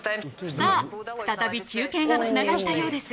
さあ、再び中継がつながったようです。